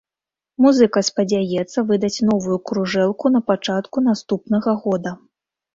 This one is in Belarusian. Музыка спадзяецца выдаць новую кружэлку на пачатку наступнага года.